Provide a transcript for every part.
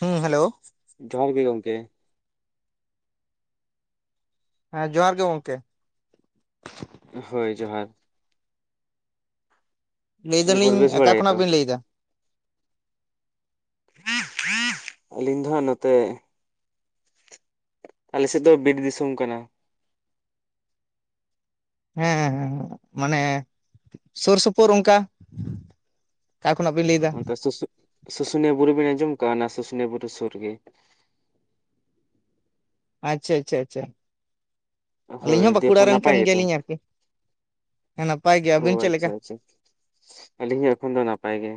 ᱦᱩᱸ ᱦᱮᱞᱳ ᱡᱚᱦᱟᱨ ᱜᱮ ᱜᱚᱝᱠᱮ ᱦᱮᱸ ᱡᱚᱦᱟᱨ ᱜᱮ ᱜᱚᱝᱠᱮ ᱦᱳᱭ ᱡᱚᱦᱟᱨ ᱞᱟᱹᱭ ᱫᱤ ᱯᱚᱨ ᱫᱟᱞᱤᱧ ᱵᱮᱥ ᱚᱠᱟ ᱵᱟᱲᱟ ᱜᱮᱛᱚ ᱠᱷᱚᱱᱟᱜ ᱵᱤᱱ ᱞᱟᱹᱭ ᱮᱫᱟ ᱟᱞᱤᱧ ᱫᱚ ᱦᱟᱸᱜ ᱱᱚᱛᱮ ᱟᱞᱮ ᱥᱮᱫ ᱫᱚ ᱵᱤᱨ ᱫᱤᱥᱳᱢ ᱠᱟᱱᱟ ᱦᱮᱸ ᱦᱮᱸ ᱦᱮᱸ ᱦᱮᱸ ᱢᱟᱱᱮ ᱥᱳᱨ ᱥᱳᱯᱳᱨ ᱚᱱᱠᱟ ᱚᱠᱟ ᱠᱷᱚᱱᱟᱜ ᱵᱤᱱ ᱞᱟᱹᱭᱫᱟ ᱚᱱᱛᱮ ᱥᱩᱥᱩ ᱥᱩᱥᱩᱱᱤᱭᱟᱹ ᱵᱩᱨᱩ ᱵᱤᱱ ᱟᱸᱡᱚᱢ ᱠᱟᱜᱼᱟ ᱚᱱᱟ ᱥᱩᱥᱩᱱᱤᱭᱟᱹ ᱵᱩᱨᱩ ᱥᱩᱨ ᱜᱮ᱾ ᱟᱪᱪᱷᱟ ᱟᱪᱪᱷᱟ ᱟᱪᱪᱷᱟ ᱦᱳᱭ ᱟᱹᱞᱤᱧ ᱦᱚᱸ ᱵᱟᱸᱠᱩᱲᱟ ᱫᱤᱭᱮᱯᱚᱨ ᱨᱮᱱ ᱱᱟᱯᱟᱭ ᱠᱟᱱ ᱜᱮᱛᱚ ᱜᱮᱭᱟᱞᱤᱧ ᱟᱨᱠᱤ ᱦᱮᱸ ᱱᱟᱯᱟᱭ ᱜᱮ ᱟᱹᱵᱤᱱ ᱚᱸ ᱪᱮᱫ ᱞᱮᱠᱟ ᱟᱪᱪᱷᱟ ᱟᱪᱪᱷᱟ ᱟᱞᱤᱧ ᱦᱚᱸ ᱮᱠᱷᱚᱱ ᱫᱚ ᱱᱟᱯᱟᱭ ᱜᱮ᱾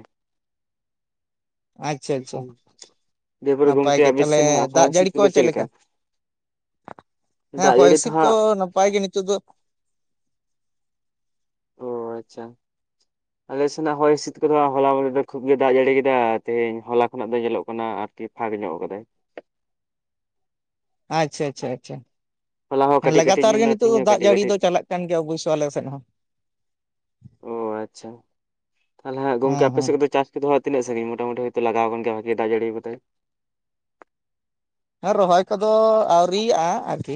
ᱟᱪᱪᱷᱟ ᱟᱪᱪᱷᱟ ᱦᱩᱸ ᱫᱤᱭᱮ ᱯᱚᱨᱮ ᱱᱟᱯᱟᱭ ᱜᱚᱝᱠᱮ ᱜᱮ ᱟᱵᱮᱥ ᱛᱟᱦᱚᱞᱮ ᱥᱮᱱ ᱟᱜ ᱦᱚᱭ ᱫᱟᱜ ᱦᱤᱸᱥᱤᱫ ᱡᱟᱹᱲᱤ ᱠᱚ ᱠᱩᱫᱚ ᱪᱮᱫ ᱞᱮᱠᱟ? ᱦᱮᱸ ᱫᱟᱜ ᱦᱚᱭ ᱡᱟᱹᱲᱤ ᱛᱚ ᱦᱤᱥᱤᱫᱽ ᱠᱚ ᱦᱟᱸᱜ ᱱᱟᱯᱟᱭ ᱜᱮ ᱱᱤᱛᱚᱜ ᱫᱚ᱾ ᱚ ᱟᱪᱪᱷᱟ ᱟᱞᱮ ᱥᱮᱱᱟᱜᱽ ᱦᱚᱭ ᱦᱤᱸᱥᱤᱫ ᱠᱚᱫᱚ ᱦᱚᱞᱟ ᱵᱚᱞᱮ ᱠᱷᱩᱵ ᱜᱮ ᱫᱟᱜ ᱡᱟᱹᱲᱤ ᱠᱮᱫᱟ ᱛᱮᱦᱮᱧ ᱦᱚᱞᱟ ᱠᱷᱚᱱᱟᱜ ᱫᱚ ᱧᱮᱞᱚᱜ ᱠᱟᱱᱟ ᱟᱨ ᱠᱤ ᱯᱷᱟᱸᱠ ᱧᱚᱜ ᱠᱟᱫᱟᱭ ᱟᱪᱪᱷᱟ ᱟᱪᱷᱟ ᱟᱪᱪᱷᱟ ᱦᱚᱞᱟ ᱦᱚᱸ ᱦᱮᱸ ᱠᱟᱹᱴᱤᱡ ᱠᱟᱹᱴᱤᱡ ᱞᱟᱜᱟᱛᱟᱨ ᱧᱩᱨ ᱜᱮ ᱮᱱᱟ ᱱᱤᱛᱚᱜ ᱛᱮᱦᱮᱧ ᱫᱚ ᱦᱚᱸ ᱫᱟᱜ ᱠᱟᱹᱴᱤᱡ ᱡᱟᱹᱲᱤ ᱠᱟᱹᱴᱤᱡ ᱫᱚ ᱪᱟᱞᱟᱜ ᱠᱟᱱ ᱜᱮᱭᱟ ᱚᱵᱳᱥᱥᱚ ᱟᱞᱮ ᱥᱮᱫ ᱦᱚᱸ ᱚᱸ ᱟᱪᱪᱷᱟ ᱛᱟᱦᱞᱮ ᱦᱟᱜ ᱜᱚᱝᱠᱮ ᱦᱮᱸ ᱟᱯᱮ ᱦᱮᱸ ᱥᱮᱫ ᱠᱚᱫᱚ ᱪᱟᱥ? ᱫᱚ ᱦᱟᱜ ᱛᱤᱱᱟᱹᱜ ᱥᱟᱹᱜᱤᱧ ᱢᱚᱴᱟᱢᱩᱴᱤ ᱦᱳᱭᱛᱚ ᱞᱟᱜᱟᱣ ᱟᱠᱟᱱ ᱜᱮᱭᱟ ᱵᱷᱟᱜᱤ ᱫᱟᱜ ᱡᱟᱹᱲᱤ ᱠᱟᱫᱟᱭ ᱦᱮᱸ ᱨᱚᱦᱚᱭ ᱠᱚᱫᱚ ᱟᱣᱨᱤᱭᱟᱜᱼᱟ ᱟᱨᱠᱤ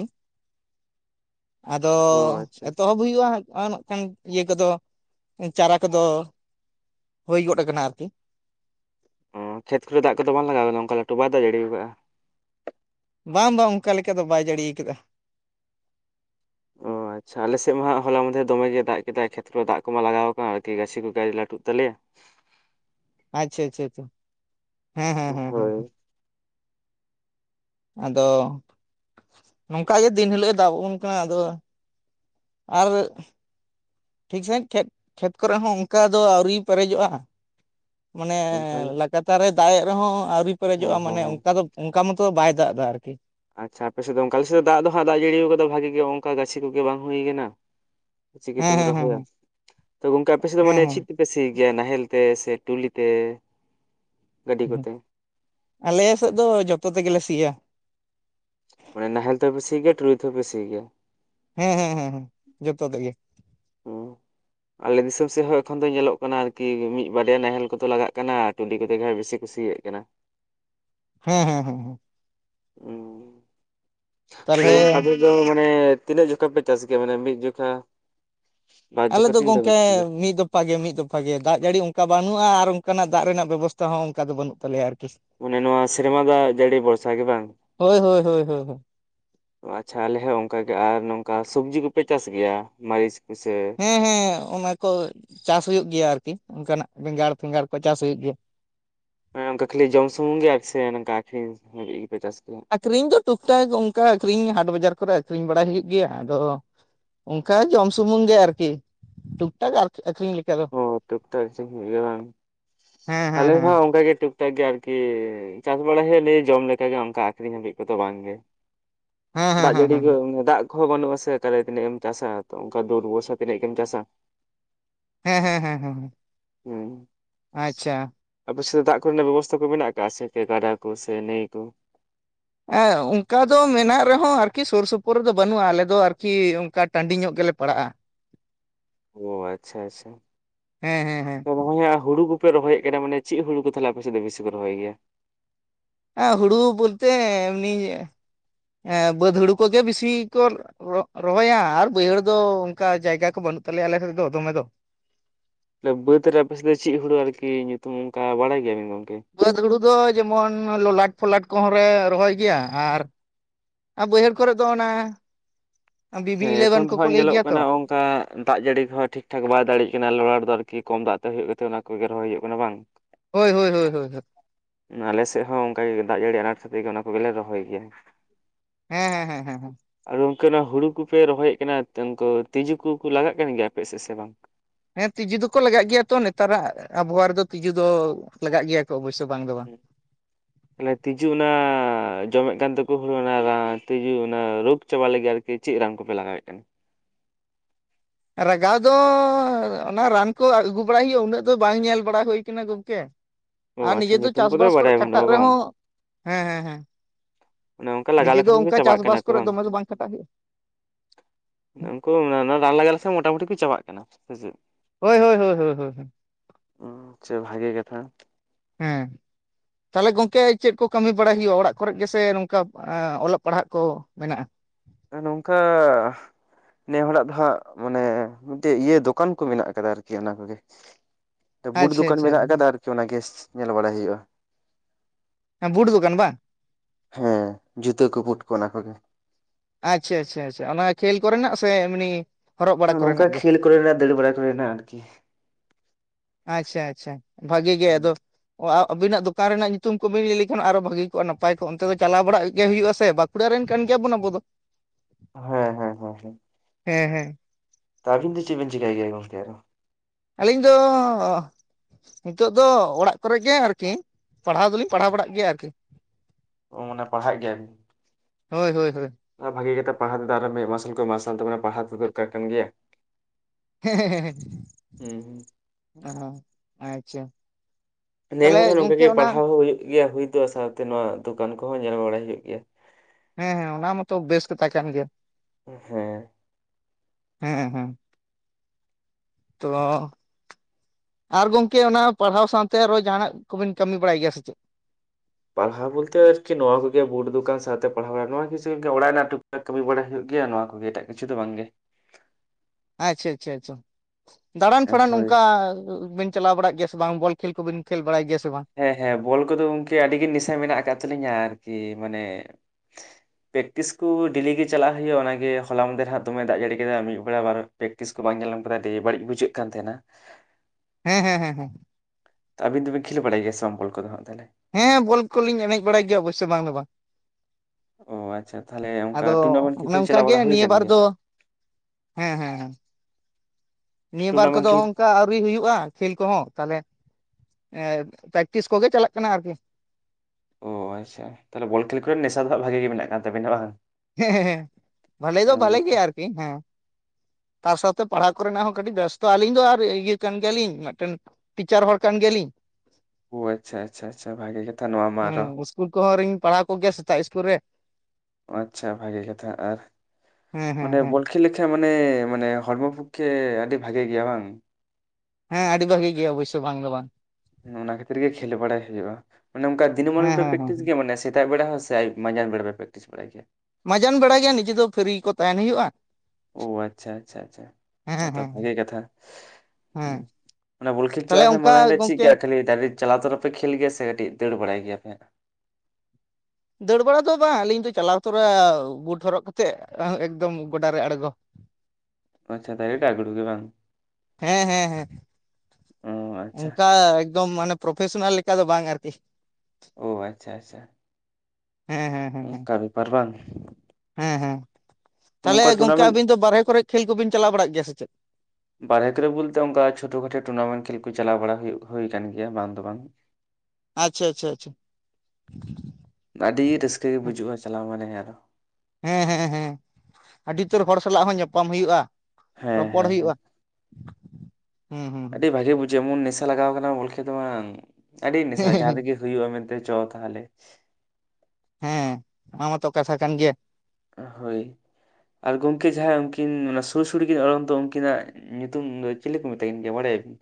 ᱟᱫᱚ ᱚ ᱟᱪᱪᱷᱟ᱾ ᱮᱛᱚᱦᱚᱵ ᱦᱩᱭᱩᱜᱼᱟ ᱦᱟᱜ᱾ ᱟ ᱱᱟᱼᱠᱷᱟᱱ ᱤᱭᱟᱹ ᱠᱚᱫᱚ ᱪᱟᱨᱟ ᱠᱚᱫᱚ ᱦᱳᱭ ᱜᱚᱫ ᱟᱠᱟᱱᱟ ᱟᱨᱠᱤ᱾ ᱚᱸ ᱠᱷᱮᱛ ᱠᱚᱨᱮ ᱫᱟᱜᱽ ᱠᱚᱫᱚ ᱵᱟᱝ ᱞᱟᱜᱟᱣ ᱠᱟᱱᱟ ᱚᱱᱠᱟ ᱞᱟᱹᱴᱩ ᱵᱟᱭ ᱫᱟᱜᱽ ᱡᱟᱹᱲᱤ ᱠᱟᱜᱼᱟ? ᱵᱟᱝ ᱵᱟᱝ ᱚᱱᱠᱟ ᱞᱮᱠᱟ ᱫᱚ ᱵᱟᱭ ᱡᱟᱹᱲᱤ ᱠᱟᱫᱼᱟ᱾ ᱚᱸ ᱟᱪ ᱟᱪᱪᱷᱟ ᱟᱞᱮᱥᱮᱫ ᱢᱟ ᱦᱟᱸᱜ ᱦᱚᱞᱟ ᱢᱟᱫᱷᱮᱨ ᱫᱚᱢᱮ ᱜᱮ ᱫᱟᱜ ᱠᱮᱫᱟ ᱠᱷᱮᱛ ᱠᱚ ᱫᱟᱜ ᱠᱚᱢᱟ ᱞᱟᱜᱟᱣ ᱟᱠᱟᱱ ᱟᱨᱠᱤ ᱜᱟᱹᱪᱷᱤ ᱠᱚ ᱜᱟᱭ ᱞᱟᱹᱴᱩᱜ ᱛᱟᱞᱮᱭᱟ ᱟᱪᱪᱷᱟ ᱟᱪᱪᱷᱟ ᱟᱪᱪᱷᱟ ᱦᱳᱭ ᱦᱮᱸᱼᱦᱮᱸᱼᱦᱮᱸᱼᱦᱮᱸ᱾ ᱟᱫᱚ ᱱᱚᱝᱠᱟ ᱜᱮ ᱫᱤᱱ ᱦᱤᱞᱳᱜ ᱮ ᱫᱟ ᱟᱵᱚᱱ ᱠᱟᱱᱟ ᱟᱫᱚ᱾ ᱟᱨ ᱴᱷᱤᱠ ᱥᱟᱹᱦᱤᱡ ᱠᱷᱮ ᱠᱷᱮᱛ ᱠᱚᱨᱮ ᱦᱚᱸ ᱚᱱᱠᱟ ᱫᱚ ᱟᱹᱣᱨᱤ ᱯᱮᱨᱮᱡᱚᱜᱼᱟ᱾ ᱢᱟᱱᱮ ᱮᱱᱠᱷᱟᱱ ᱞᱟᱜᱟᱛᱟᱨ ᱮ ᱫᱟᱜᱽ ᱮᱫ ᱨᱮᱦᱚᱸ ᱟᱹᱣᱨᱤ ᱦᱚᱸ ᱯᱮᱨᱮᱡᱚᱜᱼᱟ ᱦᱚᱸ ᱢᱟᱱᱮ ᱦᱚᱸ ᱚᱱᱠᱟ ᱫᱚ ᱚᱱᱠᱟ ᱢᱚᱛᱚ ᱵᱟᱭ ᱫᱟᱜᱽ ᱮᱫᱟ ᱟᱨᱠᱤ ᱟᱪᱪᱷᱟ ᱟᱯᱮᱥᱮᱫ ᱫᱚ ᱚᱱᱠᱟ ᱟᱞᱮ ᱥᱮᱫ ᱫᱚ ᱫᱟᱜᱽ ᱫᱚ ᱦᱟᱸᱜ ᱫᱟᱜᱽ ᱡᱟᱹᱲᱤ ᱣᱟᱠᱟᱫᱟ ᱵᱷᱟᱜᱤ ᱜᱮ ᱚᱱᱠᱟ ᱜᱟᱪᱷᱤ ᱠᱚᱜᱮ ᱵᱟᱝ ᱦᱩᱭ ᱠᱟᱱᱟ ᱦᱮᱸ ᱪᱤᱠᱟᱹᱛᱮᱢ ᱦᱮᱸ ᱦᱮᱸ ᱨᱚᱦᱚᱭᱟ ᱛᱚ ᱜᱚᱝᱠᱮ ᱟᱯᱮ ᱥᱮᱫ ᱫᱚ ᱦᱮᱸ ᱢᱟᱱᱮ ᱪᱷᱤ? ᱦᱮᱸ ᱯᱮ ᱥᱤ ᱜᱮᱭᱟ ᱱᱟᱦᱮᱞ ᱛᱮ ᱥᱮ ᱴᱩᱞᱤ ᱛᱮ? ᱜᱟᱹᱰᱤ ᱠᱚᱛᱮ? ᱟᱞᱮ ᱥᱮᱫᱽ ᱫᱚ ᱡᱚᱛᱚ ᱛᱮᱜᱮᱞᱮ ᱥᱤᱭᱟ᱾ ᱢᱟᱱᱮ ᱱᱟᱦᱮᱞ ᱛᱮᱦᱚ ᱯᱮ ᱥᱤ ᱜᱮᱭᱟ ᱴᱩᱞᱤ ᱛᱮᱦᱚᱸ ᱯᱮ ᱥᱤ ᱜᱮᱭᱟ᱾ ᱦᱮᱸᱼᱦᱮᱸᱼᱦᱮᱸᱼᱦᱮᱸ ᱡᱚᱛᱚ ᱛᱮᱜᱮ᱾ ᱦᱩᱸ ᱟᱞᱮ ᱫᱤᱥᱚᱢ ᱥᱮᱫᱽ ᱦᱚᱸ ᱮᱠᱷᱚᱱ ᱫᱚ ᱧᱮᱞᱚᱜ ᱠᱟᱱᱟ ᱟᱨᱠᱤ ᱢᱤᱫ ᱵᱟᱨᱭᱟ ᱱᱟᱦᱮᱞ ᱠᱚᱫᱚ ᱞᱟᱜᱟᱜ ᱠᱟᱱᱟ ᱴᱩᱞᱤ ᱠᱚᱛᱮ ᱜᱮ ᱵᱮᱥᱤ ᱠᱩᱥᱤᱭᱟᱜ ᱠᱟᱱᱟ᱾ ᱦᱮᱸᱼᱦᱮᱸᱼᱦᱮᱸᱼᱦᱮᱸ᱾ ᱩ ᱛᱟᱦᱚᱞᱮ ᱟᱯᱮ ᱫᱚ ᱢᱟᱱᱮ ᱛᱤᱱᱟᱹᱜ ᱡᱚᱠᱷᱟ ᱯᱮ ᱪᱟᱥ ᱜᱮᱭᱟ ᱢᱟᱱᱮ ᱢᱤᱫ ᱡᱚᱠᱷᱟ? ᱵᱟᱨ ᱟᱞᱮ ᱡᱚᱠᱷᱟ ᱫᱚ ᱛᱤᱱ ᱫᱷᱟᱣ ᱯᱮ ᱜᱚᱝᱠᱮ ᱪᱟᱥ ᱜᱮᱭᱟ ᱢᱤᱫ ᱫᱚ ᱫᱚᱯᱟᱜᱮ ᱢᱤᱫ ᱫᱚᱯᱷᱟᱮ ᱫᱟᱜᱽ ᱡᱟᱹᱲᱤ ᱚᱱᱠᱟ ᱵᱟᱹᱱᱩᱜᱼᱟ ᱟᱨ ᱚᱱᱠᱟᱱᱟᱜ ᱫᱟᱜᱽ ᱨᱮᱱᱟᱜ ᱵᱮᱵᱚᱥᱛᱷᱟ ᱦᱚᱸ ᱚᱱᱠᱟ ᱫᱚ ᱵᱟᱹᱱᱩᱜ ᱛᱟᱞᱮᱭᱟ ᱟᱨᱠᱤ᱾ ᱢᱟᱱᱮ ᱱᱚᱣᱟ ᱥᱮᱨᱢᱟ ᱫᱟ ᱡᱟᱹᱲᱤ ᱵᱷᱚᱨᱥᱟ ᱜᱮ ᱵᱟᱝ? ᱦᱳᱭ ᱦᱳᱭ ᱦᱳᱭ ᱦᱳᱭ ᱟᱪᱪᱷᱟ ᱟᱞᱮ ᱦᱚᱸ ᱚᱱᱠᱟ ᱜᱮ ᱟᱨ ᱱᱚᱝᱠᱟ ᱥᱚᱵᱽᱡᱤ ᱠᱚᱯᱮ ᱪᱟᱥ ᱜᱮᱭᱟ ᱢᱟᱹᱨᱤᱪ ᱠᱚᱥᱮ? ᱦᱮᱸᱻᱦᱮᱸ ᱚᱱᱟ ᱠᱚ ᱪᱟᱥ ᱦᱩᱭᱩᱜ ᱜᱮᱭᱟ ᱟᱨᱠᱤ ᱚᱱᱠᱟᱱᱟᱜ ᱵᱮᱸᱜᱟᱲ ᱯᱷᱮᱸᱜᱟᱲ ᱠᱚ ᱪᱟᱥ ᱦᱩᱭᱩᱜ ᱜᱮᱭᱟ᱾ ᱚᱱᱠᱟ ᱠᱷᱟᱹᱞᱤ ᱡᱚᱢ ᱥᱩᱢᱩᱝ ᱜᱮ ᱥᱮ ᱱᱚᱝᱠᱟ ᱟᱹᱷᱨᱤᱧ ᱦᱟᱵᱤᱡ ᱜᱮᱞᱮ ᱪᱟᱥ ᱜᱮᱭᱟ᱾ ᱟᱠᱷᱨᱤᱧ ᱫᱚ ᱴᱩᱠ ᱴᱟᱠ ᱚᱱᱠᱟ ᱟᱹᱠᱷᱨᱤᱧ ᱦᱟᱴ ᱵᱟᱡᱟᱨ ᱠᱚᱨᱮ ᱟᱠᱷᱨᱤᱧ ᱵᱟᱲᱟᱭ ᱦᱩᱭᱩᱜ ᱜᱮᱭᱟ ᱟᱫᱚ᱾ ᱚᱱᱠᱟ ᱡᱚᱢ ᱥᱩᱢᱩᱝ ᱜᱮ ᱟᱨᱠᱤ ᱴᱩᱠ ᱴᱟᱠ ᱟᱹᱷᱨᱤᱧ᱾ ᱚ ᱴᱩᱠ ᱴᱟᱠ ᱟᱠᱷᱨᱤᱧ ᱦᱩᱭᱩᱜ ᱜᱤᱭᱟ ᱵᱟᱝ ᱦᱮᱸ ᱦᱮᱸ ᱟᱞᱮ ᱦᱮᱸ ᱠᱚᱦᱚᱸ ᱚᱱᱠᱟ ᱜᱮ ᱴᱩᱠ ᱚᱱᱠᱟᱜᱮ ᱜᱮ ᱟᱨᱠᱤ ᱪᱟᱥ ᱵᱟᱲᱟᱭ ᱦᱩᱭᱩᱜᱼᱟ ᱱᱤᱭᱟᱹ ᱡᱚᱢ ᱞᱮᱠᱟᱜᱮ ᱚᱱᱠᱟ ᱟᱠᱷᱨᱤᱧ ᱦᱟᱹᱵᱤᱡ ᱠᱚᱫᱚ ᱵᱟᱝᱜᱮ᱾ ᱦᱮᱸ ᱫᱟᱜᱽ ᱦᱮᱸ ᱡᱟᱹᱲᱤ ᱦᱮᱸ ᱠᱚ ᱫᱟᱜᱽ ᱠᱚᱦᱚᱸ ᱵᱟᱹᱱᱩᱜ ᱟᱥᱮ ᱛᱟᱞᱦᱮ ᱛᱤᱱᱟᱹᱜ ᱮᱢ ᱪᱟᱥᱟ ᱚᱱᱠᱟ ᱫᱩᱨᱵᱚᱨᱥᱟ ᱛᱤᱱᱟᱹᱜ ᱜᱮᱢ ᱪᱟᱥᱟ᱾ ᱦᱮᱸ ᱦᱮᱸ ᱦᱮᱸ ᱦᱮᱸ ᱦᱩᱸ ᱟᱪᱪᱷᱟ᱾ ᱟᱯᱮ ᱥᱮᱫ ᱫᱟᱜᱽ ᱠᱚᱨᱮᱱᱟᱜ ᱵᱮᱵᱚᱥᱛᱟ ᱠᱚ ᱢᱮᱱᱟᱜ ᱠᱟᱼᱟ ᱥᱮ ᱜᱟᱰᱟ ᱠᱚ ᱥᱮ ᱱᱟᱹᱭ ᱠᱚ? ᱦᱮᱸ ᱚᱱᱠᱟ ᱫᱚ ᱢᱮᱱᱟᱜ ᱨᱮᱦᱚᱸ ᱟᱨᱠᱤ ᱥᱩᱨ ᱥᱩᱯᱩᱨ ᱨᱮᱫᱚ ᱵᱟᱹᱱᱩᱜᱼᱟ ᱟᱞᱮ ᱫᱚ ᱟᱨᱠᱤ ᱚᱱᱠᱟ ᱴᱟᱹᱰᱤ ᱧᱚᱜ ᱜᱮᱞᱮ ᱯᱟᱲᱟᱜᱼᱟ᱾ ᱚ ᱟᱪᱪᱷᱟ ᱟᱪᱪᱷᱟ ᱦᱮᱸ ᱦᱮᱸ ᱱᱚᱜᱼᱚᱭ ᱦᱩᱲᱩ ᱠᱚ ᱯᱮ ᱨᱚᱦᱚᱭᱮᱫ ᱠᱟᱱᱟ ᱢᱟᱱᱮ ᱪᱮᱫ ᱦᱩᱲᱩ ᱛᱟᱦᱚᱞᱮ ᱟᱯᱮᱥᱮᱫ ᱫᱚ ᱵᱤᱥᱤ ᱠᱚ ᱨᱚᱦᱚᱭ ᱜᱮᱭᱟ ᱦᱸ ᱦᱩᱲᱩ ᱵᱚᱞᱛᱮ ᱮᱢᱱᱤ ᱵᱟᱹᱫᱽ ᱦᱩᱲᱩ ᱠᱚᱜᱮ ᱵᱮᱥᱤ ᱠᱚ ᱨᱚᱦᱚᱭᱟ ᱟᱨ ᱵᱟᱹᱭᱦᱟᱹᱲ ᱫᱚ ᱚᱱᱠᱟ ᱡᱟᱭᱜᱟ ᱠᱚ ᱵᱟᱹᱱᱩᱜ ᱛᱟᱞᱮᱭᱟ ᱟᱞᱮ ᱥᱮᱫ ᱫᱚ ᱫᱚᱢᱮ ᱫᱚ ᱵᱟᱹᱫ ᱨᱮ ᱟᱯᱮᱥᱮᱜ ᱫᱚ ᱪᱮᱫ ᱦᱩᱲᱩ ᱟᱨᱠᱤ ᱧᱩᱛᱩᱢ ᱚᱱᱠᱟ ᱵᱟᱲᱟᱭ ᱜᱮᱭᱟᱵᱤᱱ ᱜᱚᱝᱠᱮ? ᱵᱟᱹᱫᱽ ᱦᱩᱲᱩ ᱫᱚ ᱡᱮᱢᱚᱱ ᱞᱚᱞᱟᱴ ᱯᱷᱚᱞᱟᱴ ᱠᱚᱦᱚᱸ ᱞᱮ ᱨᱚᱦᱚᱭ ᱜᱮᱭᱟ ᱟᱨ ᱟᱨ ᱵᱟᱹᱭᱦᱟᱹᱲ ᱠᱚᱨᱮ ᱫᱚ ᱚᱱᱟ ᱵᱤᱵᱤ ᱦᱮᱸ ᱮᱠᱷᱚᱱ ᱤᱞᱮᱵᱷᱮᱱ ᱫᱚ ᱠᱚᱠᱚ ᱦᱟᱸᱜ ᱞᱟᱹᱭ ᱧᱮᱞᱚᱜ ᱜᱮᱭᱟ ᱛᱚ ᱠᱟᱱᱟ ᱚᱱᱠᱟ ᱫᱟᱜ ᱡᱟᱹᱲᱤ ᱠᱚᱦᱚᱸ ᱴᱷᱤᱠ ᱴᱷᱟᱠ ᱵᱟᱭ ᱫᱟᱲᱮᱜ ᱠᱟᱱᱟ ᱟᱞᱮ ᱚᱬᱟᱜᱨᱮ ᱫᱚ ᱟᱨᱠᱤ ᱠᱚᱢ ᱫᱟᱜ ᱛᱮ ᱦᱳᱭᱳᱜ ᱜᱮᱛᱮ ᱚᱱᱟ ᱠᱚᱜᱮ ᱨᱚᱦᱚᱭ ᱦᱩᱭᱩᱜ ᱠᱟᱱᱟ ᱵᱟᱝ ᱦᱳᱭ ᱦᱳᱭ ᱦᱳᱭ ᱦᱳᱭ ᱟᱞᱮᱥᱮᱫ ᱦᱚᱸ ᱚᱱᱠᱟᱜᱮ ᱫᱟᱜ ᱡᱟᱹᱲᱤ ᱟᱱᱟᱴ ᱠᱷᱟᱛᱤᱨ ᱜᱮ ᱚᱱᱟ ᱠᱚᱜᱮᱞᱮ ᱨᱚᱦᱚᱭ ᱜᱮᱭᱟ ᱦᱮᱸ ᱦᱮᱸ ᱦᱮᱸ ᱦᱮᱸ ᱦᱮᱸ ᱟᱨ ᱜᱚᱝᱠᱮ ᱚᱱᱟ ᱦᱩᱲᱩ ᱠᱚᱯᱮ ᱨᱚᱦᱚᱭᱮᱫ ᱠᱟᱱᱟ ᱩᱱᱠᱩ ᱛᱤᱡᱩ ᱠᱚᱠᱚ ᱞᱟᱜᱟᱜ ᱠᱟᱱ ᱜᱮᱭᱟ ᱟᱯᱮ ᱥᱮᱫ ᱥᱮ ᱵᱟᱝ ᱦᱮᱸ ᱛᱤᱡᱩ ᱫᱚᱠᱚ ᱞᱟᱜᱟᱜ ᱜᱮᱭᱟ ᱛᱚ ᱱᱮᱛᱟᱨᱟᱜ ᱟᱵᱚᱦᱟᱣᱟ ᱨᱮᱫᱚ ᱛᱤᱡᱩ ᱫᱚ ᱞᱟᱜᱟᱜ ᱜᱮᱭᱟ ᱠᱚ ᱚᱵᱚᱥᱥᱳ ᱵᱟᱝ ᱫᱚ ᱵᱟᱝ ᱛᱟᱞᱦᱮ ᱛᱤᱡᱩ ᱚᱱᱟ ᱡᱚᱢᱮᱫ ᱠᱟᱱ ᱫᱚᱠᱚ ᱦᱩᱲᱩ ᱚᱱᱟ ᱨᱟᱱ ᱛᱤᱡᱩ ᱚᱱᱟ ᱨᱳᱜᱽ ᱪᱟᱵᱟ ᱞᱟᱹᱜᱤᱫ ᱟᱨᱠᱤ ᱪᱮᱫ ᱨᱟᱱ ᱠᱚᱯᱮ ᱞᱟᱜᱟᱣᱮᱫ ᱠᱟᱱᱟ ᱨᱟᱜᱟᱣ ᱫᱚ ᱚᱱᱟ ᱨᱟᱱ ᱠᱚ ᱟᱹᱜᱩ ᱵᱟᱲᱟᱭ ᱦᱩᱭᱩᱜᱼᱟ ᱩᱱᱟᱹᱜ ᱫᱚ ᱵᱟᱝ ᱧᱮᱞ ᱵᱟᱲᱟ ᱦᱩᱭᱩᱠᱟᱱᱟ ᱜᱚᱝᱠᱮ ᱚ ᱟᱨ ᱟᱪᱪᱷᱟ ᱱᱤᱡᱮ ᱫᱚ ᱧᱩᱛᱩᱢ ᱠᱚᱫᱚ ᱪᱟᱥᱼᱵᱟᱥ ᱵᱟᱰᱟᱭ ᱠᱚᱨᱮᱜ ᱠᱷᱟᱴᱟᱜ ᱵᱟᱹᱱᱩᱜᱼᱟ ᱵᱟᱝ ᱨᱮᱦᱚᱸ ᱦᱮᱸ ᱦᱮᱸ ᱦᱮᱸ ᱚᱱᱮ ᱚᱱᱠᱟ ᱞᱟᱜᱟᱣ ᱱᱤᱡᱮ ᱫᱚ ᱞᱮᱠᱷᱟᱱ ᱜᱮ ᱚᱱᱠᱟ ᱪᱟᱵᱟᱜ ᱠᱟᱱᱟ ᱪᱟᱥᱵᱟᱥ ᱠᱚ ᱠᱚᱨᱮ ᱫᱚᱢᱮ ᱫᱚ ᱵᱟᱝ ᱠᱷᱟᱴᱟᱜ ᱦᱩᱭᱩᱜᱼᱟ ᱩᱱᱠᱩ ᱨᱟᱱ ᱞᱟᱜᱟᱣ ᱞᱮᱠᱷᱟᱱ ᱢᱚᱴᱟᱢᱩᱴᱤ ᱠᱚ ᱪᱟᱵᱟᱜ ᱠᱟᱱᱟ ᱦᱮᱸᱥᱮ ᱦᱳᱭ ᱦᱳᱭ ᱦᱳᱭ ᱦᱳᱭ ᱦᱳᱭ ᱦᱳᱭ ᱟᱪᱪᱷᱟ ᱵᱷᱟᱜᱮ ᱠᱟᱛᱷᱟ ᱦᱮᱸ ᱛᱟᱦᱚᱞᱮ ᱜᱚᱝᱠᱮ ᱪᱮᱫ ᱠᱚ ᱠᱟᱹᱢᱤ ᱵᱟᱲᱟᱭ ᱦᱩᱭᱩᱜᱼᱟ ᱚᱲᱟᱜ ᱠᱚᱨᱮ ᱜᱮᱥᱮ ᱱᱚᱝᱠᱟ ᱚᱞᱚᱜ ᱯᱟᱲᱦᱟᱜ ᱠᱚ ᱢᱮᱱᱟᱜᱼᱟ ᱱᱚᱝᱠᱟ ᱱᱤᱭᱟᱹ ᱦᱚᱲᱟᱜ ᱫᱚ ᱦᱟᱸᱜ ᱢᱟᱱᱮ ᱢᱤᱫᱴᱤᱡ ᱤᱭᱟᱹ ᱫᱚᱠᱟᱱ ᱠᱚ ᱢᱮᱱᱟᱜ ᱠᱟᱫᱟ ᱟᱨᱠᱤ ᱚᱱᱟ ᱠᱚᱜᱮ ᱵᱩᱴ ᱟᱪᱪᱷᱟ ᱫᱚᱠᱟᱱ ᱟᱪᱪᱷᱟ ᱢᱮᱱᱟᱜ ᱠᱟᱫᱟ ᱟᱨᱠᱤ ᱚᱱᱟᱜᱮ ᱧᱮᱞ ᱵᱟᱲᱟᱭ ᱦᱩᱭᱩᱜᱼᱟ ᱦᱮᱸ ᱵᱩᱴ ᱫᱚᱠᱟᱱ ᱵᱟᱝ ᱦᱮᱸ ᱡᱩᱛᱟᱹ ᱠᱚ ᱯᱩᱴ ᱠᱚ ᱚᱱᱟ ᱠᱚᱜᱮ ᱟᱪᱪᱷᱟ ᱟᱪᱪᱷᱟ ᱟᱪᱪᱷᱟ ᱚᱱᱟ ᱠᱷᱮᱞ ᱠᱚᱨᱮᱱᱟᱜ ᱥᱮ ᱮᱢᱱᱤ ᱦᱚᱨᱚᱜ ᱵᱟᱲᱟ ᱱᱚᱝᱠᱟ ᱠᱚᱨᱮᱱᱟᱜ ᱜᱮ ᱠᱷᱮᱞ ᱠᱚᱨᱮᱱᱟᱜ ᱫᱟᱹᱲ ᱵᱟᱲᱟ ᱠᱚᱨᱮᱱᱟᱜ ᱟᱨᱠᱤ ᱟᱪᱪᱷᱟ ᱟᱪᱪᱷᱟ ᱵᱷᱟᱹᱜᱮ ᱜᱮ ᱦᱩᱸ ᱟᱫᱚ ᱚ ᱟᱵᱤᱱᱟᱜ ᱫᱚᱠᱟᱱ ᱨᱮᱱᱟᱜ ᱧᱩᱛᱩᱢ ᱠᱚᱵᱤᱱ ᱞᱟᱹᱭ ᱞᱮᱠᱷᱟᱱ ᱟᱨᱚ ᱵᱷᱟᱹᱜᱮ ᱠᱚᱜᱼᱟ ᱱᱟᱯᱟᱭ ᱠᱚᱜ ᱚᱱᱛᱮ ᱫᱚ ᱪᱟᱞᱟᱣ ᱵᱟᱲᱟᱜ ᱜᱮ ᱦᱩᱭᱩᱜᱼᱟ ᱥᱮ ᱵᱟ ᱠᱩᱲᱟ ᱨᱮᱱ ᱠᱟᱱ ᱜᱮᱭᱟᱵᱚᱱ ᱟᱵᱚ ᱫᱚ ᱦᱮᱸ ᱦᱮᱸ ᱦᱮᱸ ᱦᱮᱸ ᱦᱮᱸ ᱦᱮᱸ ᱛᱟᱵᱤᱱ ᱫᱚ ᱪᱮᱜ ᱵᱤᱱ ᱪᱤᱠᱟᱹᱭ ᱜᱮᱭᱟ ᱜᱚᱢᱠᱮ ᱟᱨᱚ ᱟᱹᱞᱤᱧ ᱫᱚ ᱱᱤᱛᱚᱜ ᱫᱚ ᱚᱲᱟᱜ ᱠᱚᱨᱮᱜ ᱜᱮ ᱟᱨᱠᱤ ᱯᱟᱲᱦᱟᱣ ᱫᱚᱞᱤᱧ ᱯᱟᱲᱦᱟᱣ ᱵᱟᱲᱟᱜ ᱜᱮᱭᱟ ᱟᱨᱠᱤ ᱚ ᱢᱟᱱᱮ ᱯᱟᱲᱦᱟᱜ ᱜᱮᱭᱟ ᱵᱤᱱ ᱦᱳᱭ ᱦᱳᱭ ᱦᱳᱭ ᱵᱷᱟᱹᱜᱮ ᱠᱟᱛᱮ ᱯᱟᱲᱦᱟᱣ ᱛᱮᱫᱚ ᱟᱨᱚ ᱢᱮᱜ ᱢᱟᱨᱥᱟᱞ ᱠᱚ ᱢᱟᱨᱥᱟᱞ ᱛᱟᱵᱚᱱᱟ ᱯᱟᱲᱦᱟᱣ ᱛᱚᱵᱮ ᱫᱚᱨᱠᱟᱨ ᱠᱟᱱ ᱜᱮᱭᱟ ᱦᱩᱸ ᱦᱩᱸ ᱚ ᱟᱪᱪᱷᱟ ᱱᱮ ᱛᱟᱦᱚᱞᱮ ᱦᱚᱲ ᱦᱚᱸ ᱱᱚᱝᱠᱟ ᱜᱚᱝᱠᱮ ᱜᱮ ᱚᱱᱟ ᱯᱟᱲᱦᱟᱣ ᱦᱚᱸ ᱦᱳᱭᱳᱜ ᱜᱮᱭᱟ ᱦᱩᱭ ᱫᱚ ᱥᱟᱶᱛᱮ ᱱᱚᱣᱟ ᱫᱚᱠᱟᱱ ᱠᱚᱦᱚᱸ ᱧᱮᱞ ᱵᱟᱲᱟᱭ ᱦᱳᱭᱳᱜ ᱜᱮᱭᱟ ᱦᱮᱸ ᱦᱮᱸ ᱚᱱᱟ ᱢᱟᱛᱚ ᱵᱮᱥ ᱠᱟᱛᱟ ᱠᱟᱱ ᱜᱮᱭᱟ ᱦᱮᱸ ᱦᱮᱸ ᱦᱮᱸ ᱛᱚ ᱟᱨ ᱜᱚᱢᱠᱮ ᱚᱱᱟ ᱯᱟᱲᱦᱟᱣ ᱥᱟᱶᱛᱮ ᱟᱨᱚ ᱡᱟᱦᱟᱱᱟᱜ ᱠᱚᱵᱤᱱ ᱠᱟᱹᱢᱤ ᱵᱟᱲᱟᱭ ᱜᱮᱭᱟ ᱥᱮ ᱪᱮᱫ ᱯᱟᱲᱦᱟᱣ ᱵᱚᱞᱛᱮ ᱟᱨᱠᱤ ᱱᱚᱣᱟ ᱠᱚᱜᱮ ᱵᱩᱴ ᱫᱚᱠᱟᱱ ᱥᱟᱶᱛᱮ ᱯᱟᱲᱦᱟᱣ ᱵᱟᱲᱟ ᱱᱚᱣᱟ ᱠᱤᱪᱷᱩ [inaudible] ᱚᱲᱟᱜ ᱨᱮᱱᱟᱜ ᱠᱟᱹᱢᱤ ᱵᱟᱲᱟ ᱦᱳᱭᱳᱜ ᱜᱮᱭᱟ ᱱᱚᱣᱟ ᱠᱚᱜᱮ ᱮᱴᱟᱜ ᱠᱤᱪᱷᱩ ᱫᱚ ᱵᱟᱝ ᱜᱮ ᱟᱪᱪᱷᱟ ᱟᱪᱪᱷᱟ ᱟᱪᱪᱷᱟ ᱫᱟᱲᱟᱱ ᱯᱷᱟᱲᱟᱱ ᱦᱳᱭ ᱚᱱᱠᱟ ᱪᱟᱞᱟᱣ ᱵᱟᱲᱟᱜ ᱜᱮᱭᱟ ᱥᱮ ᱵᱟᱝ ᱵᱚᱞ ᱠᱷᱮᱞ ᱠᱚᱵᱤᱱ ᱠᱷᱮᱞ ᱵᱟᱲᱟᱭ ᱜᱮᱭᱟ ᱥᱮ ᱵᱟᱝ ᱦᱮᱸ ᱦᱮᱸ ᱵᱷᱩᱞ ᱠᱚᱫᱚ ᱜᱚᱢᱠᱮ ᱟᱹᱰᱤ ᱜᱮ ᱱᱮᱥᱟ ᱢᱮᱱᱟᱜ ᱠᱟᱜ ᱛᱟᱹᱞᱤᱧᱟ ᱟᱨᱠᱤ ᱢᱟᱱᱮ ᱯᱮᱠᱴᱤᱥ ᱠᱚ ᱰᱤᱞᱤ ᱜᱮ ᱪᱟᱞᱟᱜ ᱦᱳᱭᱳᱜᱼᱟ ᱚᱱᱟ ᱜᱮ ᱦᱚᱞᱟ ᱢᱟᱫᱷᱮᱨ ᱦᱟᱸᱜ ᱫᱚᱢᱮ ᱫᱟᱜ ᱡᱟᱹᱲᱤ ᱠᱮᱫᱟ ᱢᱤᱫ ᱵᱮᱲᱟ ᱵᱟᱨ ᱯᱮᱠᱴᱤᱥ ᱠᱚ ᱵᱟᱝ ᱧᱮᱞ ᱧᱟᱢ ᱠᱟᱛᱮ ᱫᱤᱭᱮ ᱵᱟᱹᱲᱤᱡ ᱵᱩᱡᱷᱟᱹᱜ ᱠᱟᱱ ᱛᱟᱦᱮᱱᱟ᱾ ᱦᱮᱸᱻ ᱦᱮᱸᱻᱦᱮᱸᱻ ᱦᱮᱸ ᱟᱹᱵᱤᱱ ᱫᱚᱵᱤᱱ ᱠᱷᱮᱞ ᱵᱟᱲᱟᱭ ᱜᱮᱭᱟ ᱥᱮ ᱵᱟᱝ ᱵᱚᱞ ᱠᱚ ᱦᱟᱸᱜ ᱛᱟᱦᱞᱮ? ᱦᱮᱸ ᱵᱚᱞ ᱠᱚᱞᱤᱧ ᱮᱱᱮᱡ ᱵᱟᱲᱟᱭ ᱜᱮᱭᱟ ᱚᱵᱚᱥᱥᱚᱭ ᱵᱟᱝ ᱫᱚ ᱵᱟᱝ᱾ ᱚ ᱟᱪᱪᱷᱟ ᱛᱟᱦᱚᱞᱮ ᱚᱱᱠᱟ ᱟᱫᱚ ᱴᱩᱨᱱᱟᱢᱮᱱᱴ ᱠᱚ ᱠᱷᱮᱞ ᱪᱟᱞᱟᱣ ᱱᱚᱝᱠᱟᱜᱮ ᱵᱟᱲᱟ ᱦᱩᱭ ᱱᱤᱭᱟᱹ ᱟᱠᱟᱱ ᱵᱟᱨ ᱜᱮᱭᱟ ᱫᱚ᱾ ᱦᱮᱸᱻ ᱦᱮᱸᱻ ᱦᱮᱸ ᱱᱤᱭᱟᱹ ᱵᱟᱨ ᱴᱩᱨᱱᱟᱢᱮᱱᱴ ᱠᱚᱫᱚ ᱠᱷᱮᱞ ᱡᱚᱝ ᱠᱟ ᱟᱹᱣᱨᱤ ᱦᱩᱭᱩᱜᱼᱟ ᱠᱷᱮᱞ ᱠᱚᱦᱚᱸ ᱛᱟᱦᱞᱮ, ᱮᱸᱻ ᱯᱮᱠᱴᱤᱥ ᱠᱚᱜᱮ ᱪᱟᱞᱟᱜ ᱠᱟᱱᱟ ᱟᱨᱠᱤ᱾ ᱚ ᱦᱳᱭᱥᱮ ᱛᱟᱦᱞᱮ ᱵᱚᱞ ᱠᱷᱮᱞ ᱠᱚᱨᱮᱱ ᱱᱮᱥᱟ ᱫᱚ ᱦᱟᱜ ᱵᱷᱟᱜᱮ ᱢᱮᱱᱟᱜ ᱠᱟᱫ ᱛᱟᱵᱤᱱᱟ ᱵᱟᱝ᱾ ᱦᱮᱸᱻ ᱦᱮᱸᱻ ᱵᱷᱟᱞᱮ ᱫᱚ ᱚ ᱵᱷᱟᱞᱮ ᱟᱪᱪᱷᱟ ᱜᱮᱭᱟ ᱟᱨᱠᱤ ᱦᱮᱸ᱾ ᱛᱟᱨ ᱥᱟᱶᱛᱮ ᱯᱟᱲᱦᱟᱣ ᱠᱚᱨᱮᱱᱟᱜ ᱦᱚᱸ ᱠᱟᱹᱴᱤᱡ ᱵᱮᱥᱛᱚ ᱟᱹᱞᱤᱧ ᱫᱚ ᱟᱨ ᱤᱭᱟᱹ ᱠᱟᱱ ᱜᱮᱭᱟᱞᱤᱧ ᱢᱤᱫᱴᱮᱱ᱾ ᱴᱤᱪᱟᱨ ᱦᱚᱲ ᱠᱟᱱ ᱜᱮᱭᱟᱞᱤᱧ᱾ ᱚ ᱟᱪᱪᱷᱟ ᱟᱪᱪᱷᱟ ᱟᱪᱪᱷᱟ ᱵᱷᱟᱜᱮ ᱠᱟᱛᱷᱟ ᱱᱚᱣᱟ ᱢᱟ ᱦᱩᱸ ᱟᱨᱚ ᱤᱥᱠᱩᱞ ᱠᱚᱦᱚᱸ ᱨᱤᱧ ᱯᱟᱲᱦᱟᱣ ᱠᱚᱜᱮᱭᱟ ᱥᱮᱛᱟᱜ ᱤᱥᱠᱩᱞ ᱨᱮ᱾ ᱟᱪᱪᱷᱟ ᱵᱷᱟᱜᱮ ᱠᱟᱛᱷᱟ ᱟᱨ ᱦᱮᱸ ᱦᱮᱸ ᱚᱱᱮ ᱦᱮᱸ ᱵᱚᱞ ᱠᱷᱮᱞ ᱞᱮᱠᱷᱟᱭ ᱢᱟᱱᱮ ᱢᱟᱱᱮ ᱦᱚᱲᱢᱚ ᱯᱚᱠᱷᱮ ᱟᱹᱰᱤ ᱵᱷᱟᱜᱮ ᱜᱮᱭᱟ ᱵᱟᱝ᱾ ᱦᱮᱸ ᱟᱹᱰᱤ ᱵᱷᱟᱜᱮ ᱜᱮᱭᱟ ᱚᱵᱚᱥᱥᱳᱭ ᱵᱟᱝ ᱫᱚ ᱵᱟᱝ᱾ ᱚᱱᱟ ᱠᱷᱟᱹᱛᱤᱨ ᱜᱮ ᱠᱷᱮᱞ ᱵᱟᱲᱟᱭ ᱦᱳᱭᱳᱜᱼᱟ ᱚᱱᱮ ᱚᱱᱠᱟ ᱫᱤᱱᱟᱹᱢ ᱦᱤᱞᱚᱜ ᱦᱮᱸ ᱜᱮᱯᱮ ᱦᱮᱸ ᱦᱮᱸ ᱯᱮᱠᱴᱤᱥ ᱜᱮᱭᱟ ᱢᱟᱱᱮ? ᱥᱮᱛᱟᱜ ᱵᱮᱲᱟ ᱦᱚᱸ ᱥᱮ ᱟᱭᱩᱵ ᱢᱟᱡᱟᱱ ᱵᱮᱲᱟ ᱯᱮ ᱯᱨᱮᱠᱴᱤᱥ ᱵᱟᱲᱟᱭ ᱜᱮᱭᱟ? ᱢᱟᱡᱟᱱ ᱵᱮᱲᱟ ᱜᱮᱭᱟ ᱱᱤᱡᱮ ᱫᱚ ᱯᱷᱤᱨᱤ ᱠᱚ ᱛᱟᱦᱮᱱ ᱦᱩᱭᱩᱜᱼᱟ᱾ ᱳ ᱟᱪᱪᱷᱟ ᱟᱪᱪᱷᱟ ᱟᱪᱪᱷᱟ ᱦᱮᱸ ᱡᱷᱚᱛᱚ ᱦᱮᱸ ᱵᱚᱜᱮ ᱠᱟᱛᱷᱟ᱾ ᱦᱮᱸ ᱚᱱᱟ ᱵᱚᱞ ᱠᱷᱮᱞ ᱛᱟᱦᱞᱮ ᱪᱟᱞᱟᱜ ᱚᱱᱠᱟ ᱢᱟᱲᱟᱝ ᱯᱮ ᱜᱚᱝᱠᱮ ᱪᱤᱠᱟᱹᱜ ᱟ ᱠᱷᱟᱹᱞᱤ ᱴᱟᱭᱵᱤᱠ ᱪᱟᱞᱟᱣ ᱛᱚᱨᱟ ᱯᱮ ᱠᱷᱮᱞ ᱜᱮᱭᱟ ᱥᱮ ᱠᱟᱹᱴᱤᱡ ᱫᱟᱹᱲ ᱵᱟᱲᱟᱭ ᱜᱮᱭᱟ ᱯᱮ? ᱫᱟᱹᱲ ᱵᱟᱲᱟ ᱫᱚ ᱵᱟᱝ ᱟᱹᱞᱤᱧ ᱫᱚ ᱪᱟᱞᱟᱣ ᱛᱚᱨᱟ ᱵᱩᱴ ᱦᱚᱨᱚᱜ ᱠᱟᱛᱮᱜ ᱮᱠᱫᱚᱢ ᱜᱚᱰᱟ ᱨᱮ ᱟᱲᱜᱚ᱾ ᱟᱪᱪᱷᱟ ᱰᱟᱭᱨᱮᱰ ᱟᱲᱜᱩ ᱜᱮ ᱵᱟᱝ᱾ ᱦᱮᱸᱻ ᱦᱮᱸᱻ ᱦᱮᱸ, ᱚ ᱟᱪᱪᱷᱟ ᱚᱱᱠᱟ ᱮᱠᱫᱚᱢ ᱢᱟᱱᱮ ᱯᱨᱚᱯᱷᱮᱥᱚᱱᱟᱞ ᱞᱮᱠᱟ ᱫᱚ ᱵᱟᱝ ᱟᱨᱠᱤ᱾ ᱳ ᱟᱪᱪᱷᱟ ᱟᱪᱪᱷᱟ᱾ ᱦᱮᱸᱻ ᱦᱮᱸᱻ ᱚᱝᱠᱟ ᱵᱮᱯᱟᱨ ᱵᱟᱝ? ᱦᱮᱸᱻ ᱦᱮᱸᱻ ᱛᱟᱦᱞᱮ ᱱᱚᱝᱠᱟ ᱜᱚᱝᱠᱮ ᱴᱩᱨᱱᱟᱢᱮᱱᱴ ᱟᱹᱵᱤᱱ ᱫᱚ ᱵᱟᱨᱦᱮ ᱠᱚᱨᱮ ᱠᱷᱮᱞ ᱠᱚᱵᱤᱱ ᱪᱟᱞᱟᱣ ᱵᱟᱲᱟᱜ ᱜᱮᱭᱟ ᱥᱮ ᱪᱮᱫ? ᱵᱟᱨᱦᱮ ᱠᱚᱨᱮ ᱵᱚᱞᱛᱮ ᱚᱱᱠᱟ ᱪᱷᱳᱴᱳ ᱠᱷᱟᱴᱳ ᱴᱩᱨᱱᱟᱢᱮᱱᱴ ᱠᱷᱮᱞ ᱠᱚ ᱪᱟᱞᱟᱣ ᱵᱟᱲᱟ ᱦᱳᱭᱳᱜ ᱦᱳᱭ ᱠᱟᱱ ᱜᱮᱭᱟ ᱵᱟᱝ ᱫᱚ ᱵᱟᱝ᱾ [inaudible] ᱟᱪᱪᱷᱟ ᱟᱪᱪᱷᱟ ᱟᱪᱪᱷᱟ᱾ ᱟᱹᱰᱤ ᱨᱟᱹᱥᱠᱟᱹ ᱜᱮ ᱵᱩᱡᱩᱜᱼᱟ ᱪᱟᱞᱟᱣ ᱢᱟᱱᱮ ᱟᱨᱚ᱾ ᱦᱮᱸᱻ ᱦᱮᱸᱻ ᱦᱮᱸ ᱟᱹᱰᱤ ᱩᱛᱟᱹᱨ ᱦᱚᱲ ᱥᱟᱞᱟᱜ ᱦᱚᱸ ᱧᱟᱯᱟᱢ ᱦᱩᱭᱩᱜᱼᱟ ᱦᱮᱸ ᱨᱚᱯᱚᱲ ᱦᱮᱸ ᱦᱮᱸ ᱦᱩᱭᱩᱜᱼᱟ᱾ [inaudible] ᱦᱩᱸ ᱦᱩᱸ ᱟᱹᱰᱤ ᱵᱷᱟᱜᱤ ᱵᱩᱡᱷᱟᱹᱜᱼᱟ ᱮᱢᱚᱱ ᱱᱮᱥᱟ ᱞᱟᱜᱟᱣ ᱟᱠᱟᱱᱟ ᱵᱚᱞᱠᱷᱮᱞ ᱫᱚ ᱵᱟᱝ ᱟᱹᱰᱤ ᱱᱮᱥᱟ ᱡᱟᱦᱟᱸ ᱨᱮᱜᱮ ᱦᱩᱭᱩᱜ ᱟ ᱢᱮᱱᱛᱮ ᱪᱚ ᱛᱟᱦᱚᱞᱮ᱾ ᱦᱮᱸ ᱱᱚᱣᱟ ᱢᱟᱚᱛᱚ ᱠᱟᱛᱷᱟ ᱠᱟᱱ ᱜᱮᱭᱟ᱾ ᱦᱳᱭ ᱟᱨ ᱜᱚᱢᱠᱮ ᱡᱟᱦᱟᱸᱭ ᱩᱱᱠᱤᱱ ᱚᱱᱟ ᱥᱩᱨ ᱥᱩᱲᱤ ᱠᱤᱱ ᱚᱨᱚᱝ ᱫᱚ ᱩᱱᱠᱤᱱᱟᱜ ᱧᱩᱛᱩᱢ ᱫᱚ ᱪᱤᱞᱤ ᱠᱚ ᱢᱮᱛᱟ ᱠᱤᱱ ᱜᱮᱭᱟ ᱵᱟᱲᱟᱭᱟ ᱵᱤᱱ?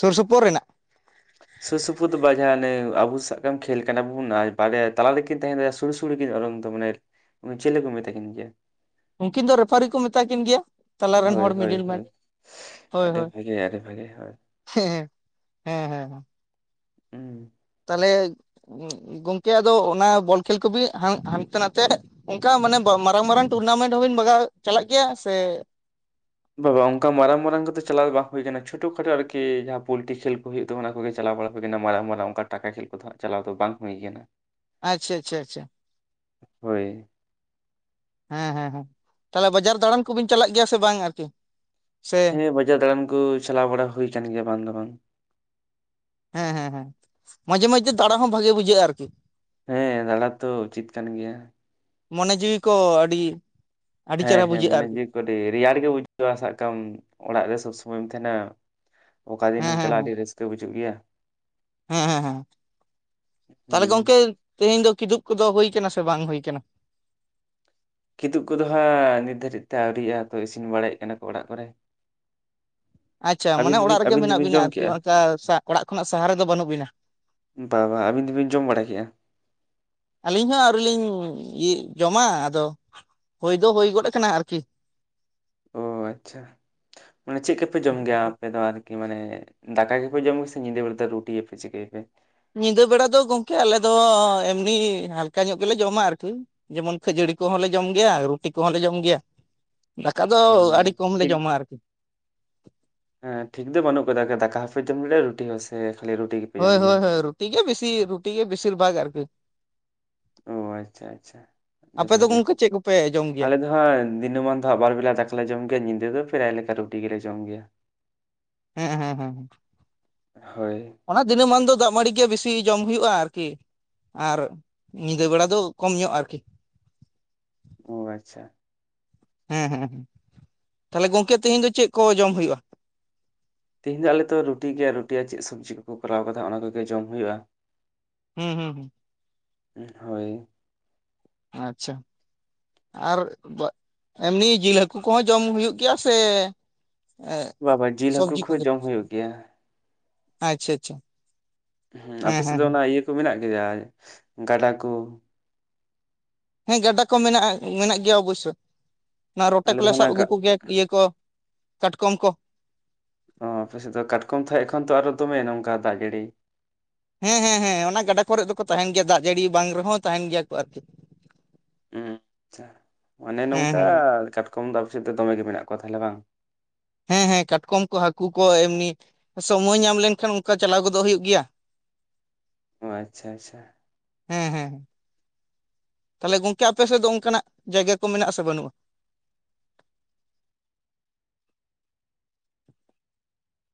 ᱥᱩᱨ ᱥᱩᱯᱩᱨ ᱨᱮᱱᱟᱜ᱾ ᱥᱩᱨ ᱥᱩᱯᱩᱨ ᱫᱚ ᱵᱟ ᱡᱟᱦᱟ ᱦᱟᱱᱮ ᱟᱵᱚ ᱥᱟᱵ ᱠᱟᱜ ᱢᱮ ᱠᱷᱮᱞ ᱠᱟᱱᱟ ᱵᱚᱱ ᱟᱨ ᱵᱟᱨᱭᱟ ᱛᱟᱞᱞᱟᱞᱮᱠ ᱩᱱᱠᱤᱱ ᱛᱟᱦᱮᱸᱨᱮ ᱥᱩᱲᱩ ᱥᱩᱲᱩ ᱠᱤᱱ ᱚᱨᱚᱝ ᱫᱚ ᱢᱟᱱᱮ ᱪᱮᱞᱮ ᱠᱚ ᱢᱮᱛᱟ ᱠᱤᱱ ᱜᱮᱭᱟ? ᱩᱱᱠᱤᱱ ᱫᱚ ᱨᱮᱯᱷᱟᱨᱤ ᱠᱚ ᱢᱮᱛᱟ ᱠᱤᱱ ᱜᱮᱭᱟ᱾ ᱛᱟᱞᱟ ᱨᱮᱱ ᱦᱳᱭ ᱦᱚᱲ ᱦᱳᱭ ᱢᱤᱰᱤᱞ ᱢᱮᱱ ᱦᱳᱭ ᱦᱳᱭ ᱟᱹᱰᱤ ᱦᱳᱭ ᱵᱷᱟᱜᱮ ᱟᱹᱰᱤ ᱵᱷᱟᱜᱮ ᱦᱳᱭ᱾ ᱦᱮᱸ- ᱦᱮᱸᱻᱦᱮᱸᱻᱦᱮᱸ ᱦᱩᱸ ᱛᱟᱦᱚᱞᱮ ᱜᱚᱝᱠᱮ ᱟᱫᱚ ᱚᱱᱟ ᱵᱚᱞ ᱠᱷᱮᱞ ᱠᱚᱵᱤ ᱦᱟᱱᱛᱮ ᱱᱟᱛᱮ ᱚᱱᱠᱟ ᱢᱟᱱᱮ ᱢᱟᱨᱟᱝ ᱢᱟᱨᱟᱝ ᱴᱩᱨᱱᱟᱢᱮᱱᱴ ᱦᱚᱸᱵᱤᱱ ᱵᱟᱜᱟᱣ ᱪᱟᱞᱟᱜ ᱜᱮᱭᱟ ᱥᱮ ᱵᱟᱵᱟ ᱚᱱᱠᱟ ᱢᱟᱨᱟᱝ ᱢᱟᱨᱟᱝ ᱠᱚᱫᱚ ᱪᱟᱞᱟᱣ ᱵᱟᱝ ᱦᱩᱭ ᱟᱠᱟᱱᱟ ᱪᱷᱳᱴᱳ ᱠᱷᱟᱴᱳ ᱟᱨᱠᱤ ᱡᱟᱦᱟᱸ ᱯᱚᱞᱴᱤ ᱠᱷᱮᱞ ᱠᱚ ᱦᱩᱭᱩᱜ ᱠᱟᱱᱟ ᱟᱳ ᱚᱱᱟ ᱠᱚᱜᱮ ᱪᱟᱞᱟᱣ ᱵᱟᱲᱟ ᱦᱩᱭ ᱠᱟᱱᱟ ᱢᱟᱨᱟᱝ ᱢᱟᱨᱟᱝ ᱚᱱᱠᱟ ᱴᱟᱠᱟ ᱠᱷᱮᱞ ᱠᱚᱫᱚ ᱪᱟᱞᱟᱣ ᱫᱚ ᱵᱟᱝ ᱦᱩᱭᱟᱱᱟ ᱟᱪᱪᱷᱟ ᱟᱪᱷᱟ ᱟᱪᱷᱟ ᱦᱳᱭ ᱦᱮᱸ ᱦᱮᱸ ᱦᱮᱸ ᱛᱟᱦᱚᱞᱮ ᱵᱟᱡᱟᱨ ᱫᱟᱬᱟᱱ ᱠᱚᱵᱤᱱ ᱪᱟᱞᱟᱜ ᱜᱮᱭᱟ ᱥᱮ ᱵᱟᱝ ᱟᱨᱠᱤ ᱥᱮ ᱦᱮᱸ ᱵᱟᱡᱟᱨ ᱫᱟᱬᱟᱱ ᱠᱚ ᱪᱟᱞᱟᱣ ᱵᱟᱲᱟ ᱦᱩᱭ ᱟᱠᱟᱱ ᱜᱮᱭᱟ ᱵᱟᱝ ᱫᱚ ᱵᱟᱝ ᱦᱮᱸ ᱦᱮᱸ ᱦᱮᱸ ᱢᱟᱡᱷᱮ ᱢᱚᱫᱡᱷᱛᱮ ᱫᱬᱟ ᱦᱚᱸ ᱵᱷᱟᱜᱮ ᱵᱩᱡᱷᱟᱹᱜᱼᱟ ᱟᱨᱠᱤ ᱦᱮᱸ ᱫᱟᱬᱟ ᱛᱚ ᱩᱪᱤᱛ ᱠᱟᱱ ᱜᱮᱭᱟ ᱢᱚᱱᱮ ᱡᱤᱣᱤ ᱠᱚ ᱟᱹᱰᱤ ᱟᱹᱰᱤ ᱦᱮᱸ ᱪᱮᱦᱨᱟ ᱦᱮᱸ ᱵᱩᱡᱷᱟᱹᱜᱼᱟ ᱢᱚᱱᱮ ᱟᱨᱠᱤ ᱡᱮ ᱠᱚ ᱨᱮᱭᱟᱲ ᱜᱮ ᱵᱩᱡᱷᱟᱹᱣᱟ ᱥᱟᱵ ᱠᱟᱜ ᱢᱮ ᱚᱲᱟᱜ ᱨᱮ ᱥᱚᱵᱽ ᱥᱚᱢᱚᱭᱢ ᱛᱟᱦᱮᱱᱟ ᱚᱠᱟ ᱦᱮᱸ ᱫᱤᱱᱮᱢ ᱦᱮᱸ ᱪᱟᱞᱟᱜᱼᱟ ᱟᱹᱰᱤ ᱨᱟᱹᱥᱠᱟᱹ ᱵᱩᱡᱩᱜ ᱜᱮᱭᱟ ᱛᱟᱦᱞᱮ ᱦᱩᱸ ᱜᱚᱝᱠᱮ ᱛᱮᱦᱮᱧ ᱫᱚ ᱠᱤᱫᱩᱵ ᱠᱚᱫᱚ ᱦᱩᱠᱟᱱᱟ ᱥᱮ ᱵᱟᱝ ᱦᱩᱭᱠᱟᱱᱟ ᱠᱤᱛᱛᱩᱩᱜ ᱠᱚᱫᱚ ᱦᱟᱸᱜ ᱱᱤᱛ ᱫᱷᱟᱹᱨᱤᱡ ᱛᱮ ᱟᱹᱣᱨᱤᱜᱼᱟ ᱛᱚ ᱤᱥᱤᱱ ᱵᱟᱲᱟᱭᱮᱫ ᱠᱟᱱᱟ ᱠᱚ ᱚᱲᱟᱜ ᱠᱚᱨᱮ ᱟᱪᱪᱷᱟ ᱢᱟᱱᱮ ᱟᱹᱵᱤᱱ ᱫᱚᱵᱤᱱ ᱚᱲᱟᱜ ᱨᱮᱜᱮ ᱟᱹᱵᱤᱱ ᱢᱮᱱᱟᱜ ᱫᱚᱵᱤᱱ ᱵᱤᱱᱟ ᱡᱚᱢ ᱟᱨᱠᱤ ᱠᱮᱜᱼᱟ ᱚᱱᱠᱟ ᱚᱲᱟᱜ ᱠᱷᱚᱱᱟᱜ ᱥᱟᱦᱟᱨ ᱨᱮᱫᱚ ᱵᱟᱹᱱᱩᱜ ᱵᱤᱱᱟ ᱵᱟ ᱵᱟᱝ ᱟᱹᱵᱤᱱ ᱫᱚᱵᱤᱱ ᱡᱚᱢ ᱵᱟᱲᱟ ᱠᱮᱫᱮᱫᱼᱟ ᱟᱹᱞᱤᱧ ᱦᱚᱸ ᱟᱹᱣᱨᱤ ᱞᱤᱧᱤᱭᱟᱹ ᱡᱚᱢᱟ ᱟᱫᱚ ᱦᱩᱭ ᱫᱚ ᱦᱩᱭ ᱜᱚᱫ ᱟᱠᱟᱱᱟ ᱟᱨᱠᱤ ᱚ ᱟᱪᱪᱷᱟ ᱢᱟᱱᱮ ᱪᱮᱫ ᱠᱚᱯᱮ ᱡᱚᱢ ᱜᱮᱭᱟ ᱟᱯᱮ ᱫᱚ ᱟᱨᱠᱤ ᱢᱟᱱᱮ ᱫᱟᱠᱟ ᱠᱮᱯᱮ ᱡᱚᱢ ᱠᱚ ᱥᱮ ᱧᱤᱫ ᱵᱮᱞ ᱛ ᱨᱩᱴᱤ ᱮᱮᱯᱮ ᱪ ᱦᱮᱯᱮ ᱧᱤᱫᱟᱹ ᱵᱮᱲᱟ ᱫᱚ ᱜᱚᱝᱠᱮ ᱟᱞᱮ ᱫᱚ ᱮᱢᱱᱤ ᱦᱟᱞᱠᱟ ᱧᱚᱜ ᱜᱮᱞᱮ ᱡᱚᱢᱟ ᱟᱨᱠᱤ ᱡᱮᱢᱚᱱ ᱠᱷᱟᱹᱡᱟᱹᱲᱤ ᱠᱚᱦᱚᱸ ᱞᱮ ᱡᱚᱢ ᱜᱮᱭᱟ ᱨᱩᱴᱤ ᱠᱚᱦᱚᱸᱞ ᱞᱮ ᱡᱚᱢ ᱜᱮᱭᱟ ᱫᱟᱠᱟ ᱫᱚ ᱢᱟᱱᱮ ᱟᱹᱰᱤ ᱠᱚᱢᱞᱮ ᱴᱷᱤᱠ ᱡᱚᱢᱟ ᱟᱨᱠᱤ ᱦᱮᱸ ᱴᱷᱤᱠ ᱫᱚ ᱵᱟᱹᱱᱩᱜ ᱟᱠᱟᱫᱟ ᱫᱟᱠᱟ ᱦᱟᱯᱮ ᱡᱚᱢ ᱨᱩᱴᱤ ᱦᱚᱸᱮ ᱠᱷᱟᱹᱤ ᱨᱩᱴᱤ ᱜᱮᱯᱮ ᱡᱚᱢ ᱦᱳᱭ ᱜᱮᱭᱟ? ᱦᱳᱭ ᱦᱳᱭ ᱨᱩᱴᱤ ᱜᱮ ᱵᱮᱥᱤ ᱨᱩᱴᱤ ᱜᱮ ᱵᱮᱥᱤᱨ ᱵᱷᱟᱜᱽ ᱟᱨᱠᱤ ᱚ ᱟᱪᱪᱷᱟ ᱟᱪᱪᱷᱟ ᱟᱯᱮ ᱫᱚ ᱜᱚᱝᱠᱮ ᱪᱮᱫ ᱠᱚᱯᱮ ᱡᱚᱢ ᱜᱮᱭᱟ ᱫᱤᱱᱹᱢᱟᱱ ᱫᱚ ᱟᱵᱟᱨ ᱵᱮᱞᱟ ᱫᱟᱠᱟᱞᱮ ᱡᱚᱢ ᱜᱮᱭᱟ ᱧᱤᱫᱟᱹ ᱫᱚ ᱯᱨᱮᱨᱟᱭ ᱞᱮᱠᱟ ᱨᱩᱴᱤ ᱜᱮᱞᱮ ᱡᱚᱢ ᱜᱮᱭᱟ ᱦᱮᱸ ᱦᱩᱸ ᱦᱩᱸ ᱦᱸ ᱦᱳᱭ ᱚᱱᱟ ᱫᱤᱱᱟᱹᱢ ᱢᱟᱱ ᱫᱚ ᱫᱟᱜ ᱢᱟᱹᱲᱤ ᱜᱮ ᱵᱮᱥᱤ ᱡᱚᱢ ᱦᱩᱭᱩᱜᱼᱟ ᱟᱨᱠᱤ ᱟᱨ ᱧᱤᱫᱟᱹ ᱵᱮᱲᱟ ᱫᱚ ᱠᱚᱢ ᱧᱚᱜ ᱟᱨᱠᱤ ᱚ ᱟᱪᱪᱷᱟ ᱦᱮᱸ ᱦᱮᱸ ᱦ ᱛᱟᱦᱚᱞᱮ ᱜᱚᱝᱠᱮ ᱛᱮᱦᱮᱧ ᱫᱚ ᱪᱮᱫ ᱠᱚ ᱡᱚᱢ ᱦᱩᱭᱩᱜᱼᱟ ᱛᱮᱤᱦᱤᱧ ᱫᱚ ᱟᱞᱮ ᱛᱚ ᱨᱩᱴᱤ ᱜᱮᱭᱟ ᱨᱩᱴᱤᱭᱟᱜ ᱪᱮᱫ ᱥᱚᱵᱽᱡᱤ ᱠᱚᱠᱚ ᱠᱚᱨᱟᱣ ᱠᱟᱫᱟ ᱚᱱᱟ ᱠᱚᱜᱮ ᱡᱚᱢ ᱦᱩᱭᱩᱜᱼᱟ ᱦᱩᱸ ᱦᱩᱸ ᱦᱩᱸ ᱦᱳᱭ ᱟᱪᱪᱷᱟ, ᱟᱨ ᱮᱢᱱᱤ ᱡᱤᱞ ᱦᱟᱹᱠᱩ ᱠᱚᱦᱚᱸ ᱡᱚᱢ ᱦᱩᱭᱩᱜ ᱜᱮᱭᱟ ᱥᱮ, ᱮᱸᱜ ᱵᱟᱵᱟ ᱡᱤᱞ ᱦᱟᱹᱠᱩ ᱥᱚᱵᱽᱡᱤ ᱠᱚᱦᱚᱸ ᱠᱚᱜᱮ, ᱡᱚᱢ ᱦᱩᱭᱩᱜ ᱜᱮᱭᱟ ᱟᱪᱪᱷᱟ ᱟᱪᱪᱷᱟ ᱦᱮ ᱟᱯᱮ ᱦᱮᱸ ᱥᱮᱫ ᱦᱮᱸ ᱫᱚ ᱦᱮᱸ ᱚᱱᱟ ᱤᱭᱟᱹ ᱠᱚ ᱢᱮᱱᱟᱜ ᱜᱮᱭᱟ ᱜᱟᱰᱟ ᱠᱚ? ᱦᱮᱸ ᱜᱟᱰᱟ ᱠᱚ ᱢᱮᱱᱟᱜᱼᱟ ᱢᱮᱱᱟᱜ ᱜᱮᱭᱟ ᱚᱵᱚᱥᱥᱚ ᱚᱱᱟ ᱨᱚᱴᱮ ᱟᱞᱮ ᱫᱚ ᱠᱚᱞᱮ ᱚᱱᱟ ᱥᱟᱵ ᱜᱟ ᱟᱹᱜᱩ ᱠᱚᱜᱮ ᱤᱭᱟᱹ ᱠᱚ, ᱠᱟᱴᱠᱚᱢ ᱠᱚ, ᱚᱻ ᱟᱯᱮᱥᱮᱫ ᱫᱚ ᱠᱟᱴᱠᱚᱢ ᱛᱷᱚ ᱮᱠᱷᱚᱱ ᱛᱚ ᱟᱨᱚ ᱫᱚᱢᱮ ᱱᱚᱝᱠᱟ ᱫᱟᱜ ᱡᱟᱲᱤ᱾ ᱦᱮᱸ ᱦᱮᱸ ᱦᱮᱸ ᱚᱱᱟ ᱜᱟᱰᱟ ᱠᱚᱨᱮ ᱫᱚᱠᱚ ᱛᱟᱦᱮᱱ ᱜᱮᱭᱟ ᱫᱟᱜ ᱡᱟᱹᱲᱤ ᱵᱟᱝ ᱨᱮᱦᱚᱸ ᱛᱟᱦᱮᱱ ᱜᱮᱭᱟ ᱠᱚ ᱟᱨᱠᱤ, ᱟᱪᱪᱷᱟ, ᱚᱱᱮ ᱦᱮᱸ ᱱᱚᱝᱠᱟ ᱦᱮᱸ ᱠᱟᱴᱠᱚᱢ ᱫᱚ ᱟᱞᱮᱥᱮᱫ ᱫᱚ ᱫᱚᱢᱮ ᱜᱮ ᱢᱮᱱᱟᱜ ᱠᱚᱣᱟ ᱛᱟᱦᱚᱞᱮ ᱵᱟᱝ? ᱦᱮᱸ ᱦᱮᱸ ᱠᱟᱴᱠᱚᱢ ᱠᱚ ᱦᱟᱹᱠᱩ ᱠᱚ ᱮᱢᱱᱤ ᱥᱚᱢᱚᱭ ᱧᱟᱢ ᱞᱮᱱᱠᱷᱟᱱ ᱚᱱᱠᱟ ᱪᱟᱞᱟᱣ ᱜᱚᱫᱚᱜ ᱦᱩᱭᱩᱜ ᱜᱮᱭᱟ᱾ ᱚ ᱟᱪᱪᱷᱟ ᱟᱪᱪᱷᱟ, ᱦᱮᱸ ᱦᱮᱸ᱾ ᱛᱟᱦᱚᱞᱮ ᱜᱚᱝᱠᱮ ᱟᱯᱮ ᱥᱮᱫ ᱫᱚ ᱚᱱᱠᱟᱱᱟᱜ ᱡᱟᱭᱜᱟ ᱠᱚ ᱢᱮᱱᱟᱜ ᱟᱥᱮ ᱵᱟᱹᱱᱩᱜᱼᱟ?